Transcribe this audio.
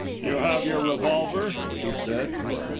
"You have your revolver?" he said.